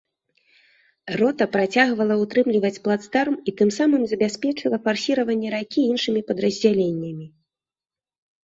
Рота працягвала ўтрымліваць плацдарм і тым самым забяспечыла фарсіраванне ракі іншымі падраздзяленнямі.